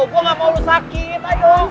gue gak mau lu sakit